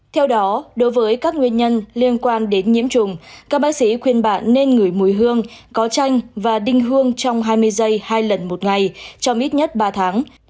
theo đó đối với các nguyên nhân liên quan đến nhiễm trùng các bác sĩ khuyên bạn nên ngửi mùi hương có chanh và đinh hương trong hai mươi giây hai lần một ngày cho ít nhất ba tháng